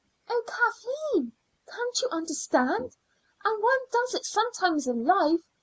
"Oh, Kathleen, can't you understand? And one does it sometimes in life.